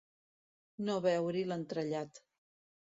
No veure-hi l'entrellat.